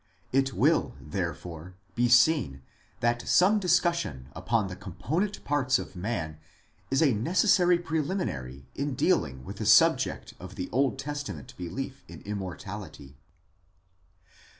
It will, therefore, be seen that some discussion upon the component parts of man is a necessary preliminary in dealing with the subject of the Old Testament belief in Immortality.